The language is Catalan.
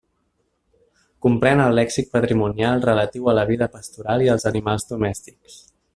Comprèn el lèxic patrimonial relatiu a la vida pastoral i els animals domèstics.